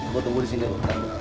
gue tunggu di sini